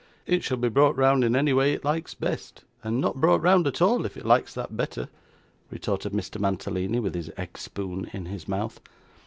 'It shall be brought round in any way it likes best, and not brought round at all if it likes that better,' retorted Mr. Mantalini, with his egg spoon in his mouth.